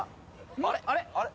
あれ？